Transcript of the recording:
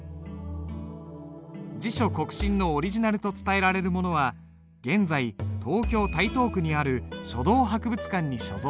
「自書告身」のオリジナルと伝えられるものは現在東京・台東区にある書道博物館に所蔵されている。